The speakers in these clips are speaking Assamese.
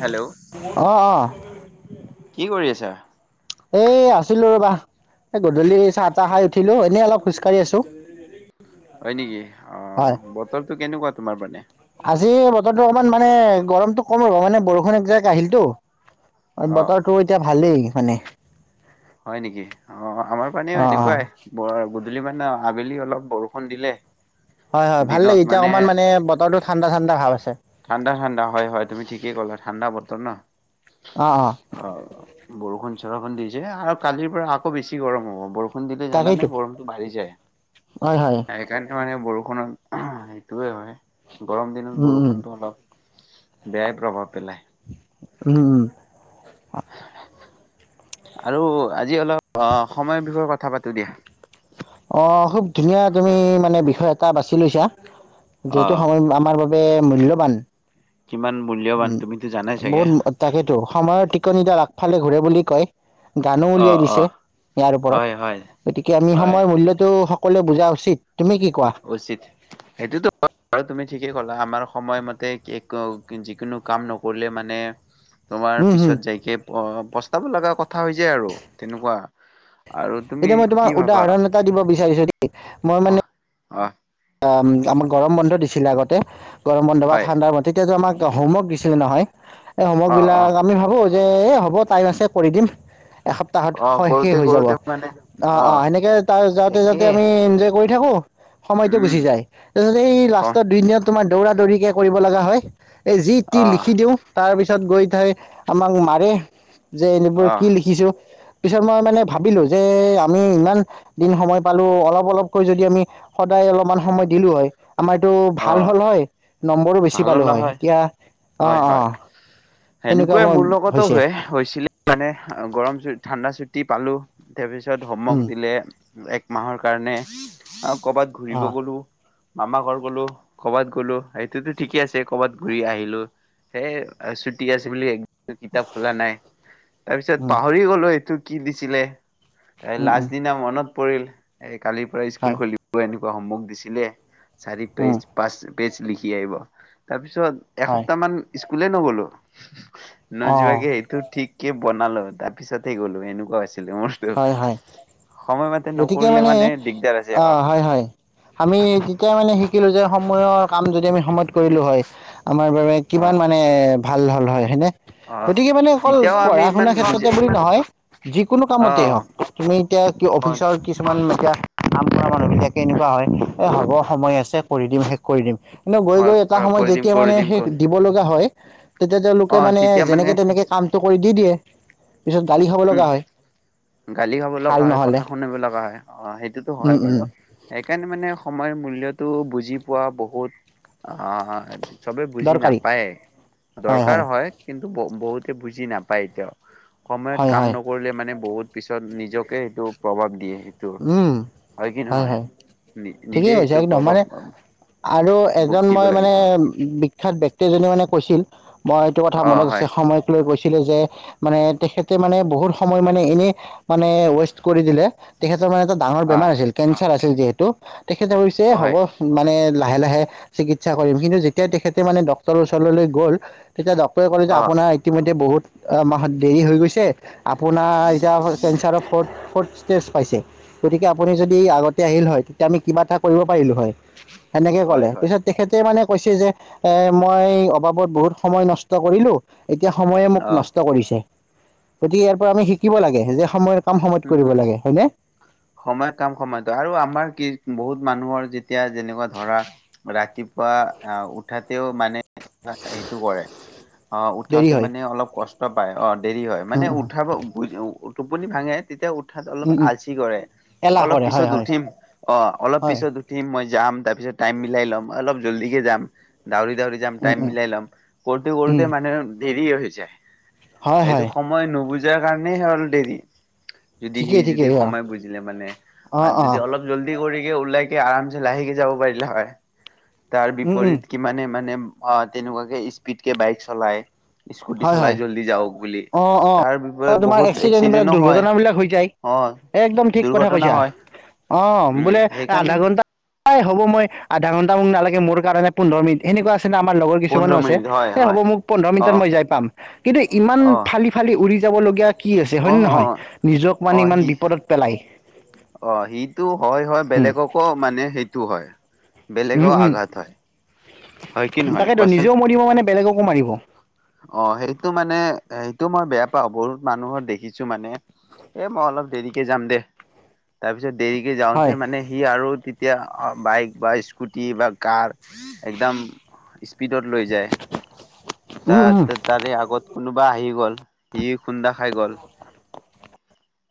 হেল্ল' অ, অ। কি কৰি আছা। এ আছিলো ৰবা। এ গধূলি চাহ তাহ খাই উঠিলোঁ এনেই অলপ খোজকাঢ়ি আছোঁ। হয় নেকি? অ, বতৰটো কেনেকুৱা তোমাৰ পিনে। আজি বতৰতো অকমান মানে গৰমটো কম হ'ব মানে বৰষুণ একজাক আহিলতো। অ'। বতৰটো এতিয়া ভালেই মানে। হয় নেকি? অ, আমাৰ পানেও অ', অ', এনেকুৱাই। মানে অ'আবেলি অলপ বৰষুণ দিলে। হয় হয় ভাল লাগে এতিয়া অকমান মানে বতৰটো ঠাণ্ডা ঠাণ্ডা ভাৱ আছে। ঠাণ্ডা ঠাণ্ডা হয় হয় তুম ঠিকে ক'লা ঠাণ্ডা ব- -তৰ ন। অ' বৰষুণ চৰষুণ দিছে আৰু কালিৰ পৰা আকৌ বেছি গৰম হ'ব বৰ- -ষুণ দিলে জানানে তাকেইতো গৰমটো বঢ়ি যায়। হয়, হয় সেইকাৰণে মানে বৰষুণ বৰষুণত সেইটোয়ে হয় গৰম দিনত উম, উম, বৰষুণটো অলপ বেয়াই প্ৰভাৱ পেলাই। উম। আৰু আজি অলপ সময়ৰ বিষয়ে কথা পাতো দিয়া। অ, খুব ধুনীয়া তুমি মানে বিষয় এটা বাছি লৈছা। যিহেতু অ'। সময় আমাৰ বাবে [unintelligible] মূল্যবান কিমান মূল্যৱান উম তুমিতো জানাই চাগে বহুত তাকেইেতো, সময়ৰ টিকনিডাল আগ -ফালে ঘূৰে বুলি কয়, গানো উলিয়াই অ' দিছে অ' ইয়াৰ ওপৰত, হয় হয় গতিকে আমি হয় সময় মূল্যটো সকলোৱে বুজা উচিত। তুমি কি কোৱা উচিত, সেইটোতো [unintelligible] তুমি ঠিকেই কলা, আমাৰ সময়মতে যিকোনো কাম নকৰিলে মানে তোমাৰ উম হম পিছত যাইকে পস্তাব লগা কথা হৈ যায় আৰু, তেনেকুৱা। আৰু তুমি এতিয়া মই তোমাক কি ভাবা উদাহৰণ এটা দিব বিচাৰিছো মই মানে অ' অ'। অ' আমাক গৰম বন্ধ দিছিলে আগতে, গৰম বন্ধ বা হয় ঠাণ্ডাৰ মতে তেতিয়াতো আমাক হোমৱৰ্ক দিছিলে নহয়, এই হোমৱৰ্ক অ' অ' বিলাক আমি ভাবো যে এই হ'ব টাইম আছে কৰি দিম এসপ্তাহত অ' শেষ কৰোতে হৈ যাব, কৰোতে মানে অ'-অ' অ' সেনেকে তাৰ যাওতে যাওতে একেই আমি এনজয় কৰি [unintelligible] সময়টো উম গুচি যায়, ‌তা পিছত এই অ' লাষ্টৰ দুই দিনত তোমাৰ দৌৰা দৌৰিকে কৰিব লগা হয় এই যি তি অ' লিখি দিওঁ, তাৰপিছত গৈ থাই আমাক মাৰে যে এনেবোৰ অ' কি লিখিছো পিছত মই মানে ভাবিলো যে আমি ইমান দিন সময় পালো অলপ অলপকৈ যদি আমি সদ [unintelligible] সদায় অলপমান সময় দিলো হয়, আমাৰ এইটো ভাল অ' হ'ল হয়, নম্বৰো বেছি ভালো পালো হয়, নহয় এতিয়া হয় অ', হয়, অ', সেনেকুৱা সেনেকুৱাই মই মোৰ লগতো হৈছে হয়, হৈছিলে মানে গৰম চ [unintelligible] ঠাণ্ডা চুটি পালোঁ, ‌তাৰপিছত উম, হোমৱৰ্ক দিলে এক মাহৰ কাৰণে কবাত ঘূৰিব অ', গলো মামা ঘৰ গ'লো, ‌কবাত গ'লো, সেইটোতো ঠিকে আছে কবাত ঘূৰি আহিলো সেযে ছুটি আছে বুলিম [unintelligible] [unintelligible] কিতাপ খোলা নাই, তাৰপিছত উম, পাহৰি গলো এইটো কি দিছিলে [unintelligible] উম, উম, লাষ্ট দিনা মনত পৰিল, এ কালিৰ পৰা স্কুল হয়, খুলিব এনে [unintelligible] হমৱৰ্ক দিছিলে, চাৰি পেজ উম, পাঁচ পেজ লিখি আহিব তাৰপিছত হয়, অসপ [unintelligible] স্কুলে নগলো, অ'। নোযোৱাকে এইটো ঠিক কি বনালো, তাৰ পিছতহে গ'লো, এনেকুৱা হৈছিলে মোৰতো। হয় হয় সময়মতে গতিকে নকৰিলে মানে, দিগদাৰ আছে অ' হয়-হয়, আমি তেতিয়া মানে শিকিলোঁ যে সময়ৰ কাম যদি আমি সময়ত কৰিলোঁ হয়, আমাৰ বাবে অ কিমান মানে ভাল হল হয় হয়নে, অ। গতিকে মানে অকল তেতিয়াও আমি পঢ়া ইমান শুনাাৰ বুজি ক্ষেত্ৰতে বুলি নহয়, যিকোনো অ কামত [unintelligible] তুমি এতিয়া অ অফিচৰ কিছুমান [unintelligible] এতিয়া কামকৰা মানুহবিলাকে এনেকুৱা হয়, এ হ'ব সময় আছে, কৰি দিম, শেষ কৰি দিম। [unintelligible] গৈ হয় গৈ এটা কৰা সময় কৰি দিম যেতিয়া কৰি মানে দিম সেই কৈ দিব লগা হয়, তেতিয়া তেওঁলোকে অ মানে তেতিয়া যেনেকে তেনেকে কাম [unintelligible] কামটো কৰি দি দিয়ে, পিছত গালি খাব উম লগা হয়। গালি খাব ভাল লগা হয় নহ'লে কথা শুনিব লগা হয়, অ' সেইটোতো উম হয় উম বাৰু সেইকাৰণে মানে সময়ৰ মূল্যয়টো বুজি পোৱা বহুত, অ' [unintelligible] চবে বুজি দৰকাৰী নাপায়, দৰকাৰ হয় কিন [unintelligible] বহুতে বুজি নাপায় এতিয়াও, সময়ত হয় কাম হয় নকৰিলে মানে বহুত পিছত নিজকে সেইটো প্ৰভাৱ দিয়ে। [unintelligible] উম হয় কি নহয়? ঠিকেই নিজে কৈছে এইটো একদম মানে প্ৰভাৱ আৰু এজন ভুক্তিব মই মানে লাগিব হয়। বিখ্যাত ব্যক্তি এজনে মানে কৈছিল মই এইটো কথা অ মনত হয় আছে সময়ক লৈ কৈছো [unintelligible] যে মানে তেখেতে মানে বহুত সময় মানে এনে য়ে মানে ৱেষ্ট কৰি দিলে [unintelligible] ডাঙৰ অ বেমাৰ হৈছিল কেন্সাৰ আছিল যিহেতু তেখেতে কৈছে হব, হয় মানে [unintelligible] লাহে লাহে চিকিৎসা কৰিম কিন্তু যেতিয়া তেখেতে মানে ডক্তৰ ওচৰলৈ গল তেতিয়া ডক্ত ৰে কলে যে অ আপোনাৰ ইতিমধ্যে বহুত মাহত দেৰি হৈ গৈছে আপোনাৰ এতিয়া কেঞ্চাৰৰ ফৰৰ্ট, ফৰ্টথ ষ্টেজ পাইছে, গতিকে আপুনি যদি আগতে আহিল হয়, তেতিয়া আমি কিবা এটা কৰিব পাৰিলো হয়। সেনেকে হয় ক'লে হয় পিছত তেখেতে মানে কৈছে যে এ মই অবাবত বহুত সময় নষ্ট কৰিলো এতিয়া সময়ে মোক অ নষ্ট কৰিছে গতিকে ইয়াৰ পৰা আমি শিকিব লাগে যে সময় কাম সময়ত কৰিব লাগে হয় নে সময়ত কাম সময়ত আৰু আমাৰ কি বহুত মানুহৰ যেতিয়া যেনেকুৱা ধৰা ৰা ৰাতিপুৱা আহ উঠাতেও মানে সেইটো কৰে অ' দেৰি উঠতে হয় মানে অলপ কষ্ট পায় অ' দেৰি হয় উম মানে উম উঠাব বুজি টোপনি ভাঙে তেতিয়া উঠাত অলপ উম উম আলচি কৰে এলাহ অলপ কৰে হয় পিছত হয় উঠিম অ অলপ হয় পিছত উঠিম মই যাম তাৰপিছত টাইম মিলাই ল'ম অলপ জল্দিকে যাম দাউৰি দাউৰি যাম উম টাইম উম মিলাই ল'ম কৰোতে উম কৰোতে মানে দেৰি হৈ যায় হয় এইটো হয় সময় নুবুজাৰ কাৰণেই হ'ল দেৰি যদি সি ঠিকেই যদি ঠিকেই অ সময় বুজিলে মানে অ আৰু অ যদি অলপ জল্দি কৰি ওলাইকে আৰাম লাহেকে যাব পাৰিলা হয় তাৰ উম উম বিপৰীত কিমানে মানে অ ', তেনেকুৱাকে ইস্পিদকে বাইক চলাই স্কুটি হয় চলাই হয় জল্দি যাওক বুলি। অ', অ, তাৰ বিপৰীত তোমাৰ বহুত এক্সিডেন্টবিলাক এক্সিডেন্টো হয় দুৰ্ঘটনাবিলাক বিলাক হৈ যায় অ। একদম ঠিক কথা দুৰ্ঘটনা কৈছা হয় অ', উম বোলে সেইকাৰণে আধা ঘণ্টা হব মই আধা ঘণ্টা মোক নালাগে মোৰ কাৰণে পোন্ধৰ মিনিট সেনেকুৱা আমাৰ লগৰ কিছুমানো পোন্ধৰ আছে মিনিট হয় এ হ'ব হয়। মোক পন্ধৰ অ মিনিটত মই যায় কিন্তু ইমান অ ফালি ফালি উৰি যাবলগীয়া কি আছে হয় অ নে অ নহয় নিজক মানে অ ইমান সি বিপদত পেলাই অ', সিটো হয় হয় উম বেলেগকো মানে সেইটো হয় উম বেলেগও উম আঘাত হয় হয় কি নহয় তাকেতো কোৱাচোন নিজেও মৰিব মানে বেলেগকো মাৰিব অ', সেইটো মানে সেইটো মই বেয়া পাও পা বহুত মানুহৰ দেখিছো মানে এ মই অলপ দেৰিকে যাম দে তাৰপিছত পিছত দেৰিকে যাওঁতে হয় মানে সি আৰু তেয়া বাইক বা স্কুটি বা কাৰ একদম স্পীডত লৈ যায় উম উম তাৰে আগত কোনবা আহি গল সি খুন্দা খাইগল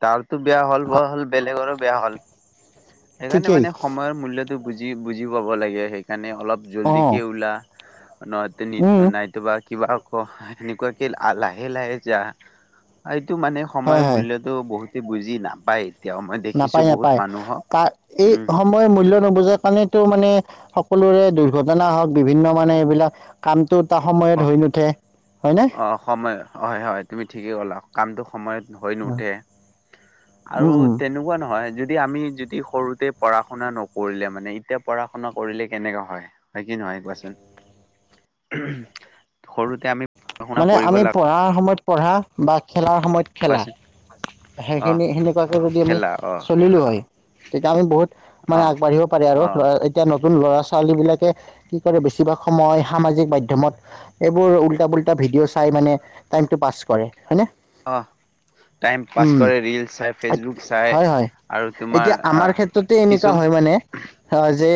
তাৰতো বেয়া হ'ল বৰ হ'ল বেলেগৰো বেয়া হল সেইকাৰণে ঠিকেই মানে সময়ৰ মূল্যটো বুজি বুজি পাব লাগে সেইকাৰণে অলপ অঁ জল্দিকে ওলা উম নহয়ো নাইতোবা কিবা সেনেকুৱাকে লাহে লাহে যা এইটো মানে হয় সময়ৰ হয় মূল্যত বহুতে বুজি নাপায় দেখিছো নাপায় বহুত নাপায় মানুহক কা এই সময় মূল্য নুবুজাৰ কাৰণেতো মানে সক সকলোৰে দুৰ্ঘটনা হওক বিভিন্ন মানে এইবিলাক কাম অ', অ', সময় হয় হয় তুমি ঠিকেই ক'লা কামটো সময়ত হৈ নুঠে উম আৰু উম তেনেকুৱা নহয় যদি যদি আমি যদি সৰুতে পঢ়া শুনা নকৰিলে মানে এতিয়া পঢ়া শুনা কৰিলে কেনেকা হয় হয় কি নহয় নাই কোৱাচোন সৰুতে আমি পঢ়া শুনা মানে কৰিব আমি লাগ পঢ়াৰ সময়ত পঢ়া বা খেলাৰ সময়ত খেলা কোৱাচোন অ', সেইখিনি সেনেকুৱাকৈ যদি আমি খেলা অ', চলিলোঁ হয় তেতিয়া আমি বহুত মানে অ'। আগবাঢ়িব পাৰি আৰু অ', এতিয়া নতুন ল'ৰা ছোৱালী বিলাকে কি কৰে বেছিভাগ সময় সামাজিক মাধ্যমত এইবোৰ উল্টা পুল্টা ভিডিঅ' চাই মানে টাইমটো পাছ কৰে হয়নে অ', টাইম পাছ উম কৰে ৰেল চাই ফেচবুক চাই হয় হয় আৰু তোমাৰ এতিয়া আমাৰ আহ ক্ষেত্ৰতে এনেকুৱা কিছু হয় মানে অ' যে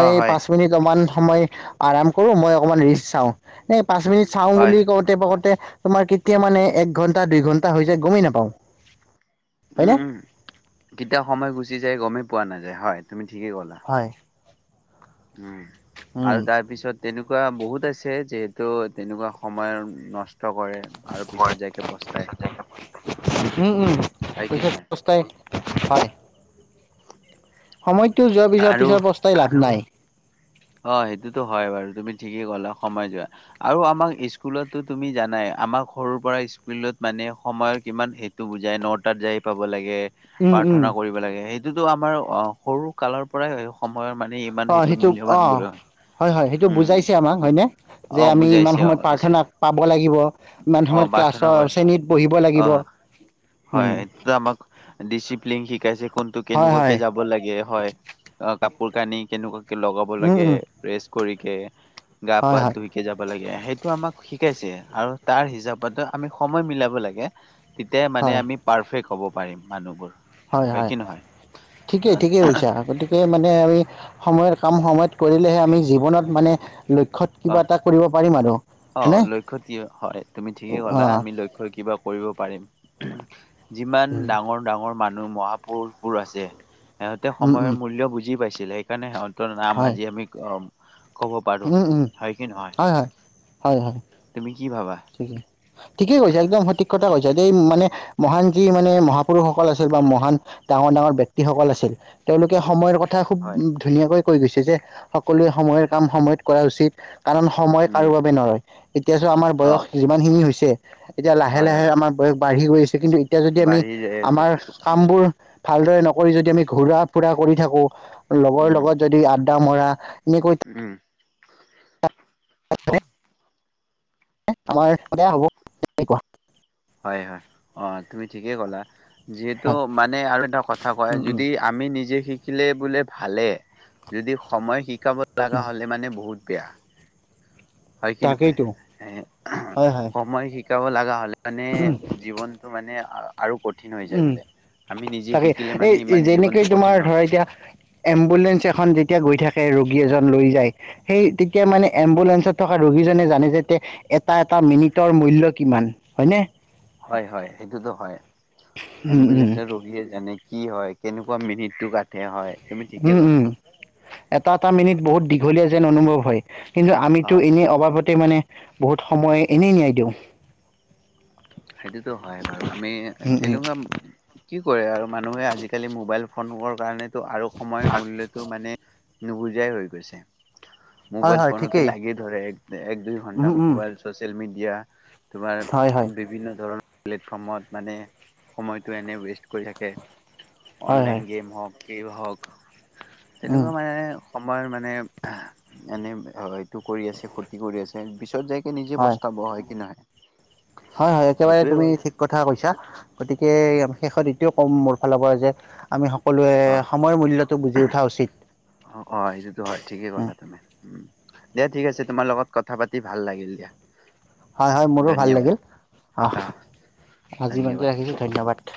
অ', হয়, পাঁচ মিনিটমান সময় আৰাম কৰো মই অকমান ৰিষ্ট চাও এ পাঁচ মিনিট চাওঁ হয়, বুলি কওঁতে পাকোতে তোমাৰ কেতিয়া মানে এক ঘন্টা দুই ঘন্টা হৈ যায় গমেই নাপাও উম উম কেতিয়া সময় গুচি যায় গমেই পোৱা নাযায় হয় তুমি ঠিকেই ক'লা হয়। উম আৰু উম, তাৰ পিছত তেনেকুৱা বহুত আছে যে তো তেনেকুৱা সময় নষ্ট কৰে আৰু পিছত যাইকে পস্তাই। হম, হম হয় কি পচ নহয় অসাই হয়াল সময়তটো যোৱাৰ পিছত আৰু পিছৰ প্ৰস্তাই লাভ নাই। অ', সেইটোতো হয় বাৰু তুমি ঠিকেই ক'লা সময় যোৱা আৰু আমাক স্কুলতো তুমি জানাই আমাক সৰুৰ পৰা স্কুলত মানে সময়ৰ কিমান সেইটো বুজাই নটাত যায় পাব লাগে। উম, উম। প্ৰাৰ্থনা কৰিব লাগে সেইটোতো আমাৰ অ', সৰু কালৰ পৰাই সম মই মানে ইমান সেইটো মূল্যবান বোল অ', হয়, হয় সেইটো উম বুজাইছে আমাক হয়নে? যে অ আমি ইমান বুজাইছে অ সময়ত প্ৰাৰ্থনা পাব লাগিব ইমান অ সময়ত প্ৰাৰ্থনা ক্লাছৰ কৰে শ্ৰেণীত বহিব। অ লাগিব হয়, উম, আমাক ডিচিপ্লিন শিকাইছে কোনটো হয়, কেনেকুৱ হয়, যাব লাগে হয়। অ', কাপোৰ কানি কেনেকুৱাকে লগাব উম, লাগে উম। প্ৰেচ কৰিকে গা হয় পা হয় ধুইকে যাব লাগে, সেইটো আমাক শিকাইছে আৰু তাৰ হিচাপতো আমি সময় মিলাব লাগে, তেতিয়া মে আমি পাৰফেক্ট হ'ব পাৰিম মানুহবোৰ। হয়ো হয় কি নহয় ঠিকেই ঠিকেইছা গতিকে মানে আৰু এই সময়ৰ কাম সময়ত কৰিলেহে আমি জীৱনত মানে লক্ষ্যত অ কিবা এটা কৰিব পাৰিম আৰু। হয়নে অ', লক্ষ্যত কি হয় তুমি ঠিকেই কলা অঁ আমি লক্ষ্যৰ কিবা কৰিব পাৰিম। যিমান হয় ডাঙৰ ডাঙৰ মানুহ মহাপুৰুষবোৰ আছে সিহঁতে উম সময়ৰ মূল্য বুজি পাইছিলে সেইকাৰণে সিহঁত ৰ' নাম আজি আমি ক ক'ব পাৰো। হয়, হয়, হয়, হয়। তুমি কি ভাবা? ঠিকেই কৈছে একদম সঠিক কথা কৈছে দ মানে মহান যি মানে মহাপুৰুষসকল আছিল বা মহান ডাঙৰ, ডাঙৰ ব্যক্তিসকল আছিল তেওঁলোকে সময়ৰ কথা কথা খুব হয় ধুনীয়াকৈ কৈ গৈছে যে সকলোৱে সময়ৰ কাম সময়ত কৰা উচিত। কাৰণ সময় উম, কাৰোঁ বাবে নৰয় এতিয়া চো আমাৰ বয়স অ', যিমানখিনি হৈছে এতিয়া লাহে হয় লাহে হয় আমাৰ বয়স বাঢ়ি গৈ আছে কিন্তু এতিয়া যদি আমি বাঢ়ি যাই আছে আমাৰ কামবোৰ ভালদৰে নকৰি যদি আমি ঘূৰা-ফুৰা কৰি থাকো লগৰ উম, লগত যদি আড্ডা মৰা এনেকৈ উম। আমাৰ বেয়া হ'ব তে কুৱা হয়, হয়, অ', তুমি ঠিকেই ক'লা। যিহেতু হয় মানে আৰু এটা কথা কয় উম যদি আমি নিজে শে শিকিলে বোলে ভালে যদি সময় শিকাব লগা উম হ'লে মানে বহুত বেয়া। হয় কি নহয় তাকেইতো এ হয় হয় সময় শি শিকাব লগা হ'লে মানে জীৱনটো মানে আৰু কঠিন হৈ যায় উম, বোলে। আমি নিজে তাকে শিকিলে মানে এই ইমান যেনেকে জীৱনটো কঠিন তোমাৰ নহয়। ধৰা এতিয়া এম্বুলেন্ঞ্চ এখন যেতিয়া গৈ থাকে ৰোগী এজন লৈ যায় সেই তেতিয়া মানে এম্বুলেঞ্চত থকা ৰোগীজনে জানে যে এটা এটা মিনি ৰ মূল্য কিমান হয়নে। হয়, হয় সেইটোতো উম উম হয়এম্বুলেঞ্চৰ ৰোগীয়ে যেনে কি হয় কেনেকুৱা মিনিট টো কাঠে হয় তুমি ঠিকেই উম, ক'লা। উম এটা এটা মিনিট বহুত দীঘলীয়া যেন অনুভৱ হয়। কিন্তু আমিতো হয় এনেই অভাৱতে মানে বহুত সময় এনেই নিয়াই দিওঁ। সেইটোতো হয় বাৰু আমি উম উম তেনেকুৱা কি কৰে আৰু মানুহে আজিকালি মোবাইল ফোন কাৰণো আৰু সময় মূল্যটো মানে নুবুজাই হৈ গৈছে। হয় মোবাইল হয় ফোনতে ঠিকেই লাগি ধৰে এক এক দুই ঘন্টা উম উম মোবাইল চচিয়েল মিডিয়া তোমাৰ হয় হয় প্লেটফমত মানে সময়টো এনে ৱেষ্ট কৰি থাকে। হয় অনলাইন হয় গেম হওঁক, কেই হওক উম তেনেকুৱা মানে সময়ৰ মানে এনে হয়টো কৰি আছে, ক্ষতি কৰি আছে পিছত যায় নিজে হয় প্ৰস্তাব' হয় কি নহয়? হয়, হয় একেবাৰে সেইটোয়ে তুমি ঠিক হ'ল কথা কৈছা গতি সেয়ে শেষত এটোৱে কম মোৰ ফালৰ পৰা যে আমি সকলোৱে অ সময়ৰ মূল্যটো বুজি উঠা উচিত। অ', অ' হেটোতো হয়। ঠিকেই কলা তুমি। উম দে ঠিক আছে। তোমা লগত কথা পাতি ভাল লাগিল দিয়া। হয়, হয় মোৰো ভাল ধন্যবাদ লাগিল। অ' আহ আজি ইমানতে ধন্যবাদ। ৰাখিছোঁ ধন্যবাদ।